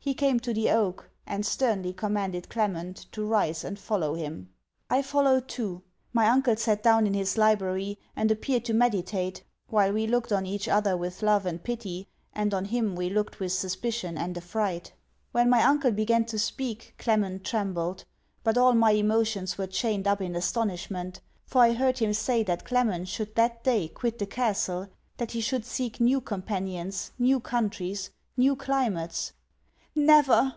He came to the oak; and sternly commanded Clement to rise and follow him. I followed too. My uncle sat down in his library; and appeared to meditate; while we looked on each other with love and pity, and on him we looked with suspicion and affright. When my uncle began to speak, Clement trembled; but all my emotions were chained up in astonishment: for I heard him say that Clement should that day quit the castle, that he should seek new companions, new countries, new climates. 'Never!